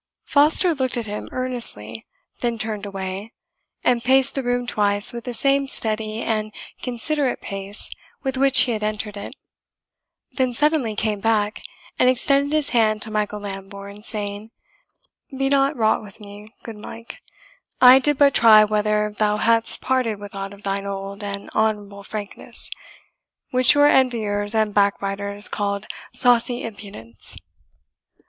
Foster looked at him earnestly, then turned away, and paced the room twice with the same steady and considerate pace with which he had entered it; then suddenly came back, and extended his hand to Michael Lambourne, saying, "Be not wroth with me, good Mike; I did but try whether thou hadst parted with aught of thine old and honourable frankness, which your enviers and backbiters called saucy impudence."